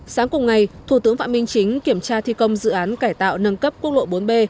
sáng cùng ngày thủ tướng phạm minh chính kiểm tra thi công dự án cải tạo nâng cấp quốc lộ bốn b